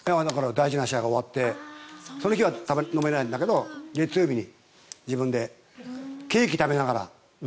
大事な試合が終わってその日は飲めないけど月曜日に自分でケーキを食べながら。